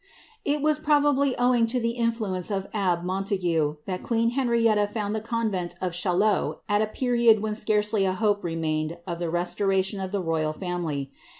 ^ h was probably owing to the influence of abbe Montague, that queen lenrietta founded the convent of Chailiot at a period when scarcely a ope remained of the restoration of the royal family.